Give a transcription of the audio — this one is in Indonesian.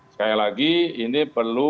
sekali lagi ini perlu